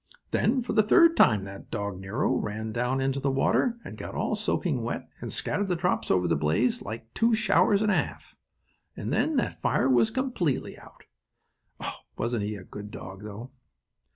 Then for the third time that dog, Nero, ran down into the water and got all soaking wet, and scattered the drops over the blaze, like two showers and a half. And then that fire was all completely out! Oh, wasn't he a good dog, though?